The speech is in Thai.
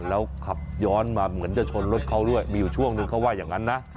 แล้วขับย้อนมาเหมือนจะชนรถเขาด้วยมีอยู่ช่วงนึงเขาว่าอย่างนั้นนะ